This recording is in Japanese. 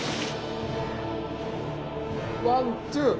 ワンツー！